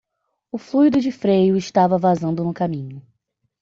O fluido de freio estava vazando no caminho.